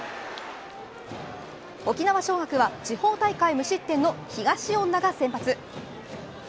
沖縄尚学は、地方大会無失点の東恩納が先発